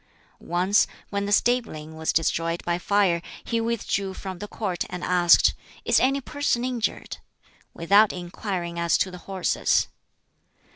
Once when the stabling was destroyed by fire, he withdrew from the Court, and asked, "Is any person injured? " without inquiring as to the horses.